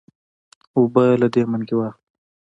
اوبۀ له دې منګي واخله